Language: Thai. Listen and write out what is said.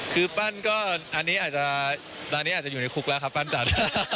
คือปั้นก็อันนี้อาจจะตอนนี้อาจจะอยู่ในคุกแล้วครับปั้นจันทร์